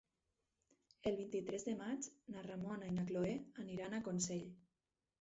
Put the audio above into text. El vint-i-tres de maig na Ramona i na Cloè aniran a Consell.